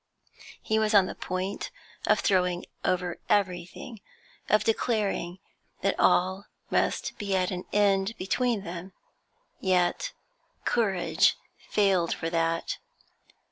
He was on the point of throwing over everything, of declaring that all must be at an end between them; yet courage failed for that.